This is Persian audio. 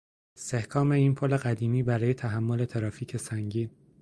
استحکام این پل قدیمی برای تحمل ترافیک سنگین